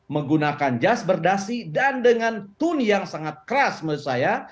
menggunakan jas berdasi dan dengan tone yang sangat keras menurut saya